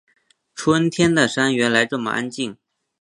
春天的山原来这么安静